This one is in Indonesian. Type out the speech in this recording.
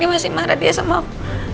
ini masih marah dia sama aku